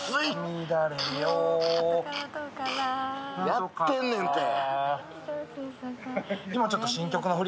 やってんねんて。